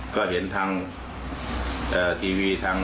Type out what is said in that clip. ก็เห็นทางอันนี้ทาง